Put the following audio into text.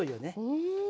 うん。